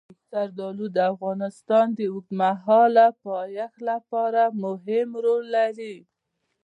زردالو د افغانستان د اوږدمهاله پایښت لپاره مهم رول لري.